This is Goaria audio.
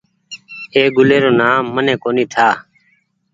اي گلي رو نآم من ڪونيٚ ٺآ۔